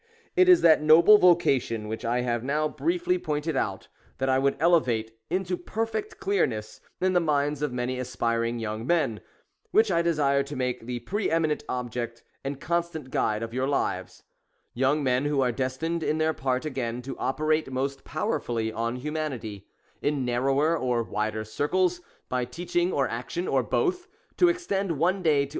It is that noble vocation which I have now briefly pointed out, that I would elevate into perfect clearness in the minds of many aspiring young men — which I desire to make the pre eminent object, and constant guide of your lives ;— young men who are destined on their part again to operate most powerfully on humanity ;— in narrower or wider circles, by teaching or action, or both, to extend one day to.